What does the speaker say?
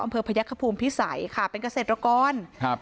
อำเภอพระยักษ์ขภูมิพิสัยค่ะเป็นเกษตรากรครับ